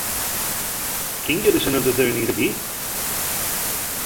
¿Quién yeres enantes de venir equí?